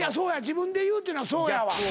自分で言うっていうのはそうやわ。